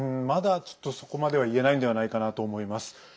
まだ、ちょっとそこまでは言えないんではないかなと思います。